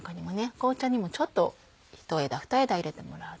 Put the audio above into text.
紅茶にもちょっと１枝２枝入れてもらうと。